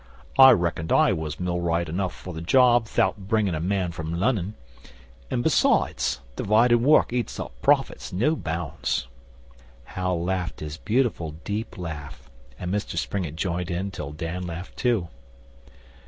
I reckoned I was millwright enough for the job 'thout bringin' a man from Lunnon. An' besides, dividin' work eats up profits, no bounds.' Hal laughed his beautiful deep laugh, and Mr Springett joined in till Dan laughed too.